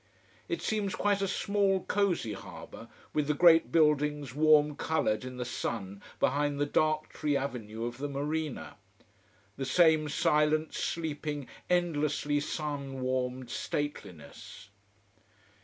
It seems quite a small, cosy harbour, with the great buildings warm colored in the sun behind the dark tree avenue of the marina. The same silent, sleeping, endlessly sun warmed stateliness.